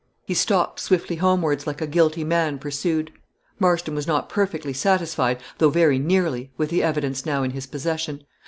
He stalked swiftly homewards, like a guilty man pursued. Marston was not perfectly satisfied, though very nearly, with the evidence now in his possession.